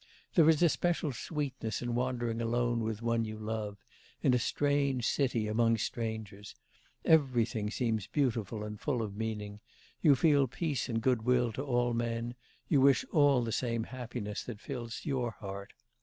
There is a special sweetness in wandering alone with one you love, in a strange city among strangers; everything seems beautiful and full of meaning, you feel peace and goodwill to all men, you wish all the same happiness that fills your heart.